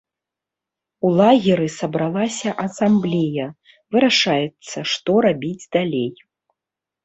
У лагеры сабралася асамблея, вырашаецца, што рабіць далей.